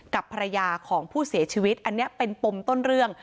กับภรรยาของผู้เสียชีวิตอันนี้เป็นปมต้นเรื่อง